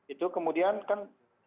itu kemudian kan